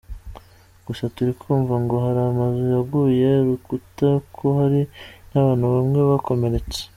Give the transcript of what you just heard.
Gusa turi kumva ngo hari amazu yaguye urukuta ko hari n’abantu bamwe bakomeretse.